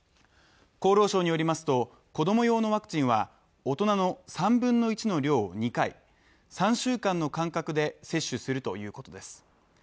厚労省によりますと、子供用のワクチンは大人の３分の１の量を２回、３週間の間隔で接種するということです。